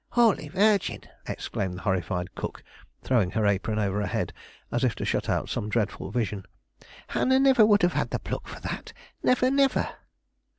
"Holy Virgin!" exclaimed the horrified cook, throwing her apron over her head as if to shut out some dreadful vision. "Hannah niver would have the pluck for that; niver, niver!"